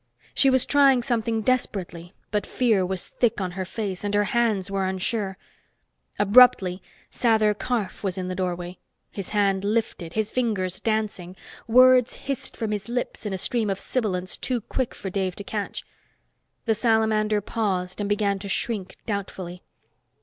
She was trying something desperately, but fear was thick on her face, and her hands were unsure. Abruptly, Sather Karf was in the doorway. His hand lifted, his fingers dancing. Words hissed from his lips in a stream of sibilants too quick for Dave to catch. The salamander paused and began to shrink doubtfully.